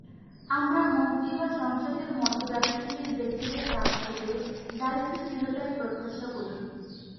আমরা মন্ত্রী বা সাংসদদের মতো দায়িত্বশীল ব্যক্তিদের কাছ থেকে দায়িত্বশীলতাই প্রত্যাশা করি।